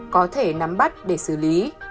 có thể nắm bắt để xử lý